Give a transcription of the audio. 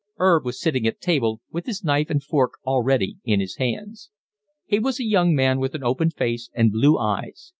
'Erb was sitting at table with his knife and fork already in his hands. He was a young man, with an open face and blue eyes.